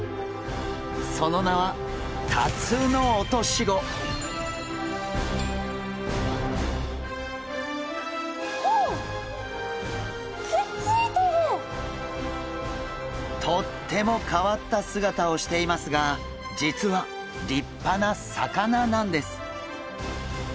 その名はとっても変わった姿をしていますが実は立派な魚なんです。